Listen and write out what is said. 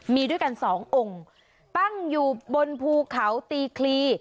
มีด้วยกันสององค์ตั้งอยู่บนภูเขาตีคลี